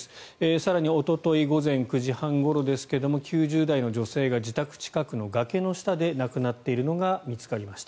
更におととい午前９時半ごろですが９０代の女性が自宅近くの崖の下で亡くなっているのが見つかりました。